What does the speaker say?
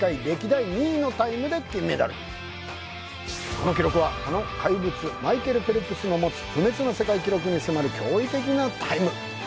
この記録はあの怪物マイケル・フェルプスの持つ不滅の世界記録に迫る驚異的なタイム